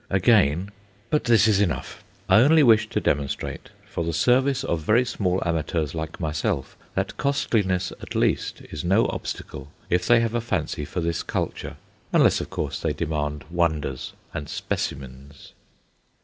Again but this is enough. I only wish to demonstrate, for the service of very small amateurs like myself, that costliness at least is no obstacle if they have a fancy for this culture: unless, of course, they demand wonders and "specimens."